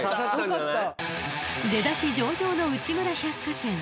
［出だし上々の内村百貨店］